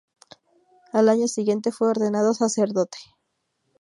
Al años siguiente fue ordenado sacerdote.